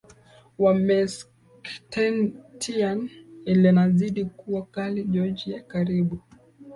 wa Meskhetian linazidi kuwa kali Georgia karibu